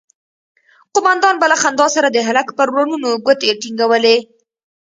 قومندان به له خندا سره د هلک پر ورنونو گوتې ټينگولې.